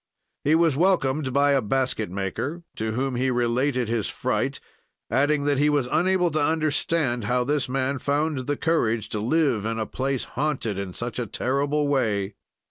"He was welcomed by a basket maker, to whom he related his fright, adding that he was unable to understand how this man found the courage to live in a place haunted in such a terrible way.